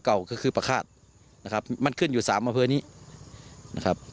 ก็คือประฆาตนะครับมันขึ้นอยู่๓อาเฟิร์นี้นะครับ